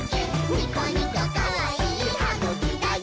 ニコニコかわいいはぐきだよ！」